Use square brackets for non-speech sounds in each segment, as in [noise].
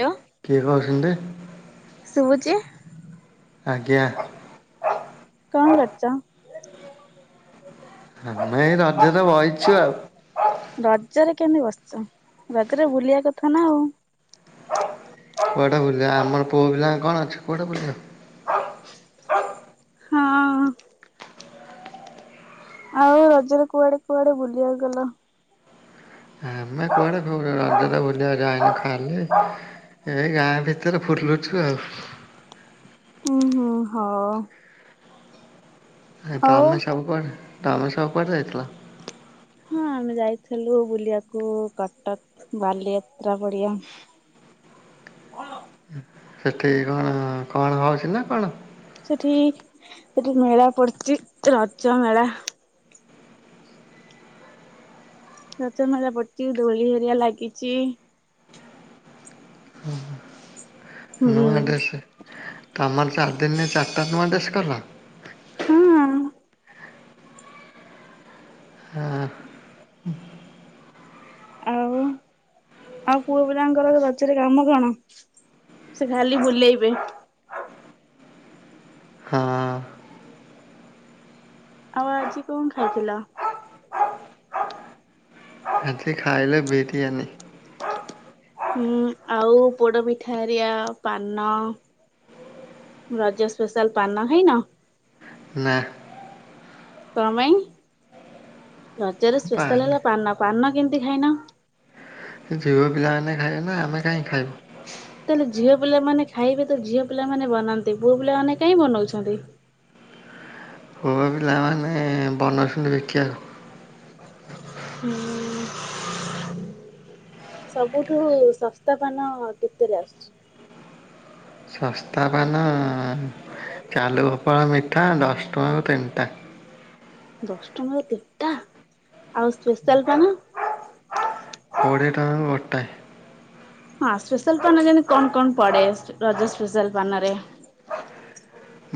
Hello. କିଏ କହୁଛନ୍ତି? ଶୁଭୁଛି? ଆଜ୍ଞା। କଣ କରୁଚ? ଆମେ ଏଇ ରଜରେ ବଇଚୁ ଆଉ ରଜରେ କେମିତି ବସିଛ ରଜରେ ବୁଲିବା କଥା ନା ଆଉ କୁଆଡ଼େ ବୁଲିବା ଆମର ପୁଅ ପିଲାଙ୍କ କଣ ଅଛି କୁଆଡ଼େ ବୁଲିବ? ହଁ। ଆଉ ରଜରେ କୁଆଡେ କୁଆଡେ ବୁଲିବାକୁ ଗଲ? ଆମେ କୁଆଡେ ରଜରେ ବୁଲିବାକୁ ଯାାଇନୁ ଖାଲି। ଏଇ ଗାଁ ଭିତରେ ଖୁଡି ହମ ଘରେ ବୁଲୁଛୁ ଆଉ। ହୁଁ ହୁଁ ହଉ। ଆ ଆଉ ତମେ ସବୁ କୁଆଡ଼େ ତାମେ ସବୁ କୁଆଡ଼େ ଯାଇଥିଲ? ହଁ ଆମେ ଯାଇଥିଲୁ ବୁଲିବାକୁ କଟକ ବାଲିଯାତ୍ରା ପଡିଆ। ସେଠି କଣ କଣ ହଉଛି ନା କଣ? ସେଠି ସେଠି ମେଳା ପଡିଛି ରଜ ମେଳା? ରଜ ମେଳା ପଡିଛି ଦୋଳି ହେରୀକା ଲାଗିଛି। ହୁଁ। ନୂଆ ଡ୍ରେସ। ତମର ଚାରିଦିନ ଚାରିଟା ନୂଆ ଡ୍ରେସ କଲ। ହୁଁ। ହୁଁ। ଆଉ। ଆଉ ପୁଅପିଲାଙ୍କର ରଜରେ କାମ କଣ, ସିଏ ଖାଲି ବୁଲେଇବେ। ହଁ। ଆଉ ଆଜି କଣ ଖାଇଥିଲ? ଆଜି ଖାଇଲେ ବିରିଆନି। ହୁଁ ଆଉ ପୋଡ ପିଠା ହେରୀକା, ପାନ ରଜ ସ୍ପେଶାଲ ପାନ ଖାଇନ? ନା। କଣ ପାଇଁ, ରଜରେ ସ୍ପେଶାଲ ପାନ ହେଲା ପାନ, ପାନ କେମିତି ଖାଇନ? ସେ ଝିଅ ପିଲାମାନେ ଖାଇବେ ନା ଆମେ କାହିଁ ଖାଇବୁ। ତାହେଲେ ଝିଅ ପିଲାମାନେ ଖାଇବେ ତ ଝିଅ ପିଲାମାନେ ବନାନ୍ତେ, ପୁଅ ପିଲାମାନେ କାଇଁ ବନଉଛନ୍ତି? ପୁଅ ପିଲାମାନେ ବନୋଉଛନ୍ତି ବିକିବାକୁ। ହୁଁ। ସବୁଠୁ ଶସ୍ତା ପାନ କେତେରେ ଆସୁଛି? ଶସ୍ତା ପାନ ଚାଲୁ ଗୋପାଳ ମିଠା ଦଶ ଟଙ୍କାକୁ ତିନିଟା। ଦଶ ଟଙ୍କାର ତିଣ୍ଟା, ଆଉ ସ୍ପେଶାଲ ପାନ? କୋଡିଏ ଟଙ୍କାକୁ ଗୋଟାଏ। ହଁ ସ୍ପେଶାଲ ପାନ ଯେମତି କଣ କଣ ପଡେ, ରଜ ସ୍ପେଶାଲ ପାନରେ?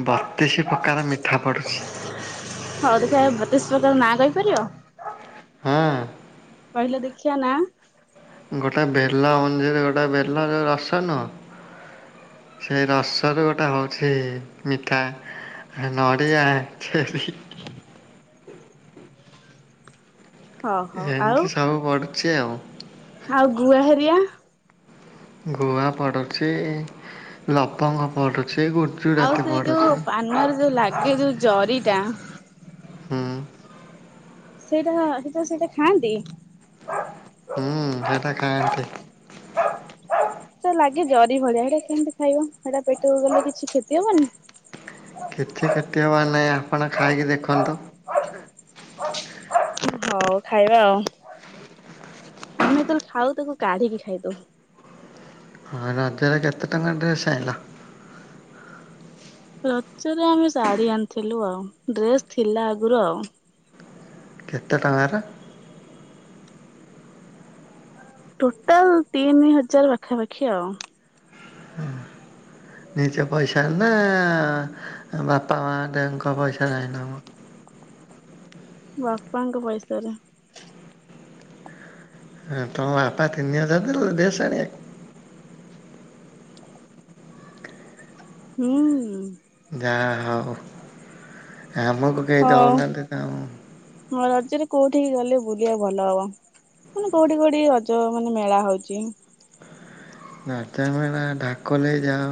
ବତିଶ ପ୍ରକାର ମିଠା ପଡ଼ୁଛି। ହଉ ଦେଖ, ବତିଶ ପ୍ରକାର ନାଁ କହିପାରିବ? ହୁଁ। କହିଲେ ଦେଖିବା ନା। ଗୋଟେ ବେଲା ମଞ୍ଜିିର ଗୋଟେ ବେଲର ରସ ନୁହଁ? ସେଇ ରସରୁ ଗୋଟେ ହଉଛି ମିଠା। ନଡ଼ିଆା ସେ ହଉ ହଉ ଆଉ ଏମିତି ସବୁ ପଡୁଛି ଆଉ। ଆଉ ଗୁଆ ହେରିକା? ଗୁଆ ପଡ଼ୁଛି, ଲବଙ୍ଗ ପଡ଼ୁଛି, ଗୁଟ ଆଉ ସେଇ ଯୋଉ ପାନରେ ଯୋଉ ଲାଗେ ଯୋଉ ଜରିଟା ହୁଁ। ସେଇଟା ସେଇଟା ସେଇଟା ଖାଆନ୍ତି? ହୁଁ ସେଟା ଖାଆନ୍ତି। ସେ ଲାଗେ ଜରି ଭଳିଆ, ସେଟା କେମିତି ଖାଇବ, ସେଟା ପେଟକୁ ଗଲେ କିଛି କ୍ଷତି ହବନି? କିଛି କ୍ଷତି ହେବାର ନାହିଁ, ଆପଣ ଖାଇକି ଦେଖନ୍ତୁ। ହଉ ଖାଇବା ଆଉ, ଆମେ ଯେତେବେଳେ ଖାଉ ତାକୁ କାଢିକି ଖାଇଦଉ। ଆଉ ରଜରେ କେତେ ଟଙ୍କା ଡ୍ରେସ ଆଇଁଲ? ରଜରେ ଆମେ ଶାଢୀ ଆଣିଥିଲୁ ଆଉ, ଡ୍ରେସ୍ ଥିଲା ଆଗରୁ ଆଉ। କେତେ ଟଙ୍କାର? ଟୋଟାଲ ତିନି ହଜାର ପାଖାପାଖି ଆଉ। ନିଜ ପଇସାରେ ନା ବାପା ମା ଙ୍କ ପଇସାରେ ଆଈଁଲ ମ? ବାପାଙ୍କ ପଇସାରେ। ହଁ ତମ ବାପା ତିନି ହଜାର ଦେଲେ ଡ୍ରେସ ଆଣିବାକୁ? ହୁଁ। ଯାହା ହଉ ଆମକୁ କେହି ହଉ। ଦେଉନାହାନ୍ତି କାମ। ହଁ ରଜରେ କୋଉଠିକି ଗଲେ ବୁଲିବା କୁ ଭଲ ହବ। ମାନେ କୋଉଠି କୋଉଠି ରଜ ମାନେ ମେଳା ହଉଛି। ରାଜା ମାନେ ଢାକ ନେଇକି ଯାଅ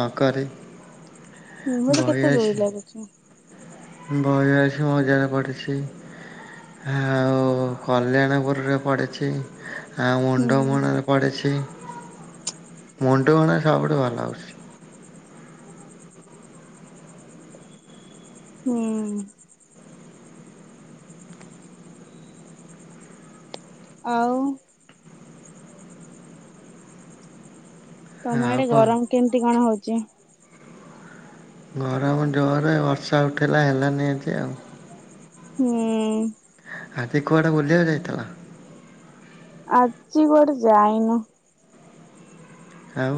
ନକରି। [inaudible] କେତେ ଦୋଳି ଲାଗୁଛି। ବାଇଆ ଆସି ମଜାରେ ପଡ଼ିଛି। ଆଉ କଲ୍ୟାଣପୁରରେ ପଡିଛି। ହଁ ହୁଁ। ମୁଣ୍ଡ ମଣାରେ ପଛି ମୁଣ୍ଡ ମଣା ସବୁଠୁ ଭଲ ହଉଛି। ହୁଁ। ଆଉ। ତମ ଆଉ ଆଡେ କଣ ଗରମ କେମତି କଣ ହଉଛି। ଗରମ ଜୋରରେ ବର୍ଷା ଉଠେଇଲା ହେଲାନି ଆଜି ଆଉ। ହୁଁ। ଆଜି କୁଆଡେ ବୁଲିବାକୁ ଯାଇଥିଲ। ଆଜି କୋଆଡେ ଯାଇନୁ। ଆଉ।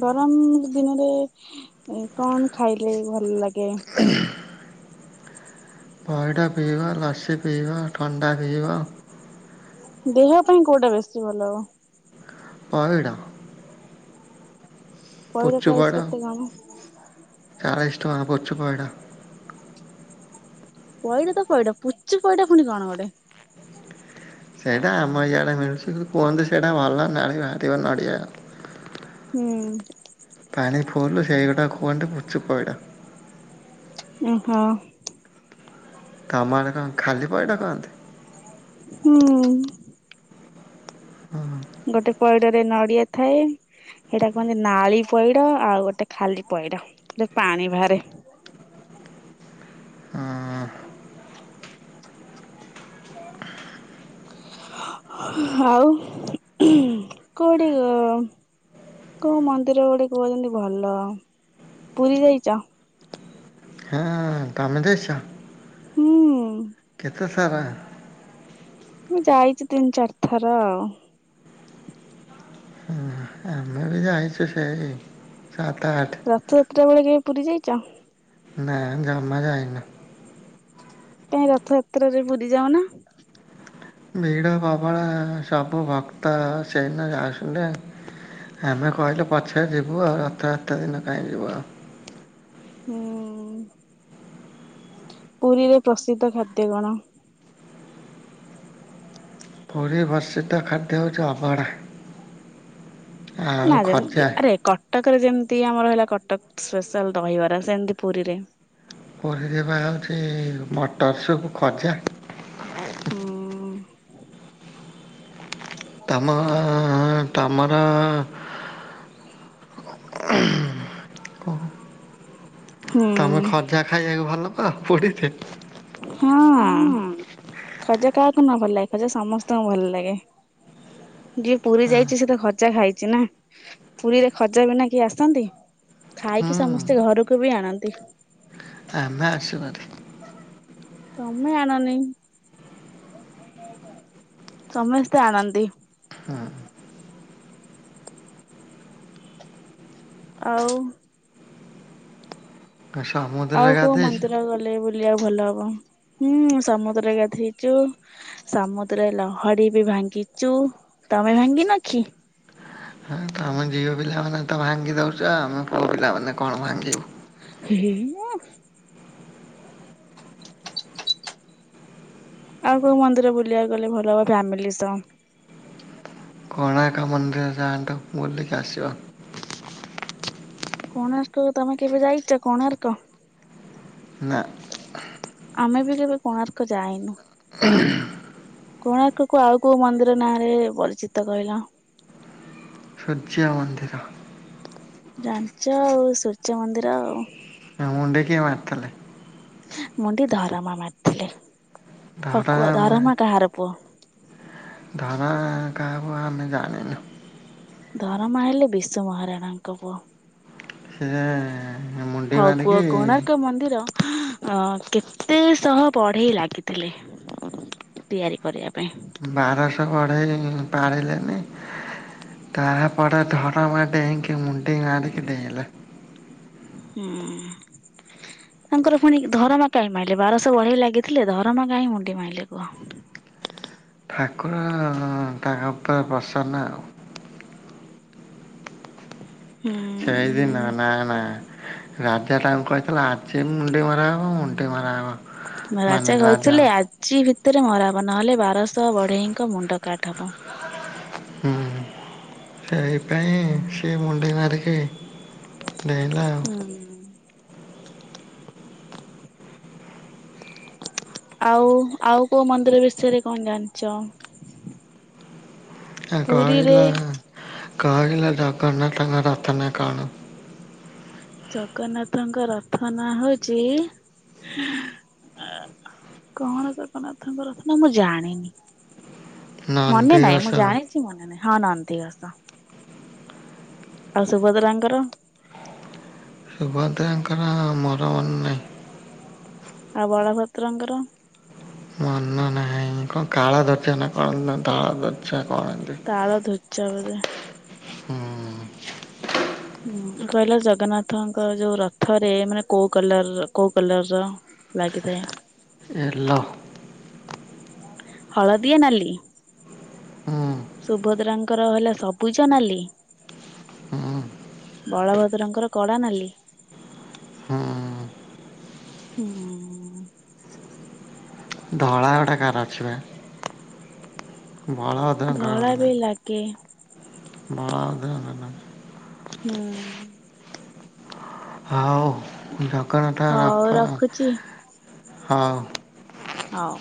ଗରମ ଦିନରେ କଣ ଖାଇଲେ ଭଲ ଲାଗେ। [unintelligible] ପଇଡ଼ ପିଇବା ଲସି ପିଇବା ଥଣ୍ଡା ପିଇବା। ଦେହ ପାଇଁ କୋଉଟା ବେଶୀ ଭଲ ହବ। ପଇଡ଼। ପଇଡ଼ ପ୍ରାଇସ୍ କେତେ କଣ। ଚାଲି ଟଙ୍କା ପୁଚି ପଇଡ। ପଇଡ଼ ତ ପଇଡ଼ ପୁଚି ପଇଡ଼ ପୁଣି କଣ ଗୋଟେ। ସେଇଟା ଆମ ଇଆଡ଼େ ମିଳୁଚି କୁହନ୍ତି ସେଇଟା ଭର ନାଳି ବାହାରିବା ନଡିଆଉ। ହୁଁ। ପାଣି ଫୋଡ଼ିଲୁ ସେଇଗୁଡ଼ାକୁ କୁଅନ୍ତି ପୁଚୁ ପଇଡ଼। ଓହୋ। ତମର ଅଡେ କଣ ଖାଲି ପଇଡ଼ କହନ୍ତି। ହୁଁ। ହୁଁ। ଗୋଟେ ପଇଡ଼ରେ ନଡିଆ ଥାଏ। ସେଇଟା କୁହନ୍ତି ନାଳି ପଇଡ଼ ଆଉ ଗୋଟେ ଖାଲି ପଇଡ଼ ପାଣି ବାହାରେ। ଉଁ। ଆଉ କୋଉଠି କୋଉ ମନ୍ଦିର ଗୋଟେ କହୁଛନ୍ତି ଭଲ ପୁରୀ ଯାଇଛ? ହଁ ତମେ ଯାଇଛ। ହୁଁ। କେତେ ଥର। ମୁଁ ଯାଇଛି ତିନି ଚାରି ଥର ଆଉ। ହଁ ଆମେ ବି ଯାଇଛୁ ସେଇ ସାତ ଆଠ ରଥଯାତ୍ର ବେଳେ କେବେ ପୁରୀ ଯାଇଛ? ନାଇଁ ଜମା ଯାଇନୁ। ତମେ ରଥଯାତ୍ରାରେ ପୁରୀ ଯାଉନା। ଭିଡ଼ ପ୍ରବଳ ସବୁ ଭକ୍ତ ସେମାନେ ଆସୁଛନ୍ତି ଆଉ। ଆମେ କହିଲୁ ପଛରେ ଯିବୁ ଆଉ। ରଥ ଯାତ୍ରା ଦିନ କାହିଁ ଯିବୁ ଆଉ। ହୁଁ ପୁରୀରେ ପ୍ରସିଦ୍ଧ ଖାଦ୍ୟ କଣ? ପୁରୀ ପ୍ରସିଦ୍ଧ ଖାଦ୍ୟ ହଉଛି ଅଭଡା। ନା ରେ ଆରେ କଟ କଟକରେ ଯେମିତି ଆମର ହେଲା କଟକ ସ୍ପେଶାଲ୍ ଦହିବରା। ସେମିତି ପୁରୀରେ ପୁରୀ ରେ ପା ହେଉଛି ମଟର ସୁପ୍, ଖଜା। ହୁଁ ତମ ତମର [unintelligible] ହୁଁ ତମେ ଖଜା ଖାଇବାକୁ ଭଲ ପାଅ ପାଡ଼ି ରେ? ହଁ ଖଜା କାହାକୁ ନ ଭଲ ଲାଗେ। ଖଜା ସମସ୍ତଙ୍କୁ ଭଲ ଲାଗେ। ଯିଏ ପୁରୀ ଯାଇଛି ସେ ତ ଖଜା ଖାଇଛି ନା। ପୁରୀରେ ଖଜା ବିନା କିଏ ଆସନ୍ତି? ଖାଇକି ସମସ୍ତେ ଘରକୁ ବି ଆଣନ୍ତି। ଆମେ ଆସି ପାର ତମେ ଆଣନି, ସମସ୍ତେ ଆଣନ୍ତି। ହଁ ଆଉ ସମ ଆଉ କୋଉ ମନ୍ଦିର ଗଲେ ବୁଲିବାକୁ ଭଲ ହବ। ହୁଁ, ସମୁଦ୍ର ରେ ଗଧେଇଚୁ ସମୁଦ୍ର ଲହଡି ବି ଭାଙ୍ଗିଚୁ। ତମେ ଭାଙ୍ଗିନ କି? ହଁ ତମେ ଝିଅ ପିଲାମାନେ ତ ଭାଙ୍ଗି ଦେଉଛ। ଆମେ ପୁଅ ପିଲାମାନେ କଣ ଭାଙ୍ଗିବୁ। ହେ, ହେ, ମ ଆଉ କୋଉ ମନ୍ଦିର ବୁଲିବାକୁ ଗଲେ ଭଲ ହବ? ଫ୍ୟାମିଲି ସହ। କୋଣାର୍କ ମନ୍ଦିର ଯାଆନ୍ତୁ। ବୁଲିକି ଆସିବ। କୋଣାର୍କ ତମେ କେବେ ଯାଇଛ। କୋଣାର୍କ? ନା ଆମେ ବି କେବେ କୋଣାର୍କ ଯାାଇନୁ। [inaudible] କୋଣାର୍କ କୁ ଆଉ କୋଉ ମନ୍ଦିର ନାଁ ରେ ପରିଚିତ କହିଲ। ସୂର୍ଯ୍ୟ ମନ୍ଦିର। ଜାଣିଛ ଆଉ ସୂର୍ଯ୍ୟ ମନ୍ଦିର ଆଉ। ଆ ମୁଣ୍ଡି କିଏ ମାରିଥିଲେ? ମୁଣ୍ଡି ଧରମା ମାରିଥିଲେ। ହଉ ଧରା କୁହ ମା ଧରମା କାହାର ପୁଅ? ଧରା କାହା ପୁଅ ଆମେ ଜାଣିନୁ। ଧରମା ହେଲେ ବିଶୁ ମହାରାଣାଙ୍କ ପୁଅ। ସେ ହଉ କୁହ କୋଣାର୍କ ମନ୍ଦିର ଅ କେତେ ଶହ ବଢେଇ ଲାଗିଥିଲେ? ତିଆରି କରିବା ପାଇଁ। ବାରଶହ ବଢେଇ ପାରିଲେନି ତାପଡେ ଧରମା ଡେଇଁକି ମୁଣ୍ଡି ମାରିକି ଡେଇଁଲା। ହୁଁ। ତାଙ୍କର ପୁଣି ଧରମା କାହିଁ ମାଇଲେ, ବାରଶହ ବଢେଇ ଲାଗିଥିଲେ ଧରମା କାହିଁ ମୁଣ୍ଡି ମାଇଲେ କୁହ? ଠାକୁର ତା ଉପରେ ପ୍ରସନ୍ନ ଆଉ। ହୁଁ। ସେଇଦିନ ନା ନା। ରାଜା ତାଙ୍କୁ କହିଥିଲା ଆଜି ମୁଣ୍ଡି ମରାହବ ମୁଣ୍ଡି ମରାହବ। ରାଜା କହିଥିଲେ ଆ ଜି ଭିତରେ ମରାହବ ନହେଲେ ବାରଶହ ବଢେଇଙ୍କ ମୁଣ୍ଡ କାଟ ହବ। ହୁଁ ସେଇ ପାଇଁ ସେ ମୁଣ୍ଡି ମାରିକି। ଡେଇଁଲା ଆଉ। ହୁଁ। ଆଉ ଆଉ କୋଉ ମନ୍ଦିର ବିଷୟରେ କଣ ଜାଣିଛ। ଆଉ କଇଲ ପୁରୀରେ କଇଲ ଜଗନ୍ନାଥଙ୍କ ରଥ ନା କଣ? ଜଗନ୍ନାଥଙ୍କ ରଥ ନା ହଉଛି ଆ। କଣ ଜଗନ୍ନାଥଙ୍କ ରଥ ନା ମୁଁ ଜାଣିନି ମନେ ନାଇଁ ନନ୍ଦିଘୋଷ ମୁଁ ଜାଣି ଚି ମନେ ନାହିଁ ହଁ ନନ୍ଦିଘୋଷ। ଆଉ ସୁଭଦ୍ରାଙ୍କର। ସୁଭଦ୍ରାଙ୍କ ର ମୋର ମନେ ନାହିଁ। ଆଉ ବଳଭଦ୍ରଙ୍କର। ମନ ନାହିଁ କଣ ତାଳ ଧଜ ନା କଁ ନା ତାଳ ଗଛ ନା କଣ ଏମିତି। ତାଳ ଧ୍ୱଜ ବୋଧେ। ହୁଁ। ହୁଁ କହିଲ ଜଗନ୍ନାଥ ଙ୍କ ଯୋଉ ରଥରେ ମାନେ କୋଉ କଲର କୋଉ କଲର ର? ଲାଗିଥାଏ। ଏଲୋ। ହଳଦିଆ ନାଲି। ହୁଁ। ସୁଭଦ୍ରାଙ୍କ ର ହେଲା ସବୁଜ ନାଲି। ହୁଁ। ବଳଭଦ୍ରଙ୍କ ର କଳା ନାଲି। ହୁଁ। ହୁଁ। ଧଳା ଗୋଟା କାର ଅଛି ବା। ବଳଭଦ୍ରଙ୍କର ଧଳା ବି ଲାଗେ। ବଳଭଦ୍ର ଙ୍କର ନା। ହୁଁ। ହଉ ଜଗନ୍ନାଥ ହଉ ରଖ ରଖୁଛି ହଉ। ହଉ।